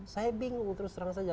saya bingung terus terang saja